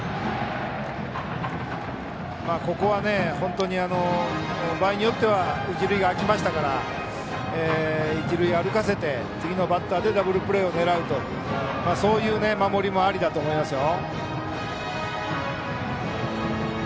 ここは本当に場合によっては一塁が空いたので一塁を歩かせて、次のバッターでダブルプレーを狙うという守りもありだと思いますよ。